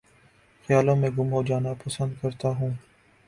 خیالوں میں گم ہو جانا پسند کرتا ہوں